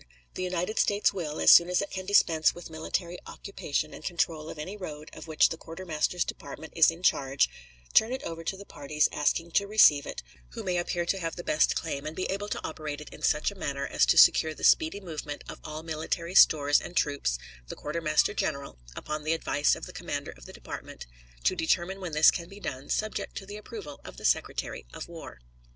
The United States will, as soon as it can dispense with military occupation and control of any road of which the Quartermaster's Department is in charge, turn it over to the parties asking to receive it who may appear to have the best claim, and be able to operate it in such a manner as to secure the speedy movement of all military stores and troops, the quartermaster general, upon the advice of the commander of the department, to determine when this can be done, subject to the approval of the Secretary of War.